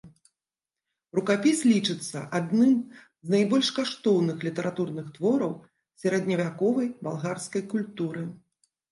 Рукапіс лічыцца адным з найбольш каштоўных літаратурных твораў сярэдневяковай балгарскай культуры.